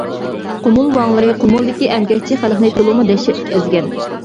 قۇمۇل ۋاڭلىرى قۇمۇلدىكى ئەمگەكچى خەلقنى تولىمۇ دەھشەتلىك ئەزگەن.